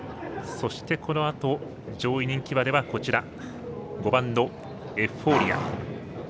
そして、このあと上位人気馬では５番のエフフォーリア。